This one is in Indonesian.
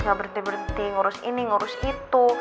nggak berhenti berhenti ngurus ini ngurus itu